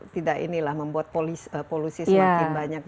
tidak membuat polusi semakin banyak dan lain sebagainya